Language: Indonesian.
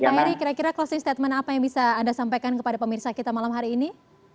pak heri kira kira closing statement apa yang bisa anda sampaikan kepada pemirsa kita malam hari ini